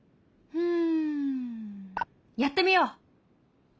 うん。